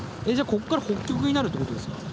ここから北極になるってことですか？